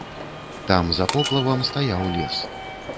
Там за поплавам стаяў лес.